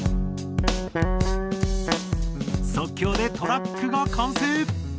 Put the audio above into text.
即興でトラックが完成。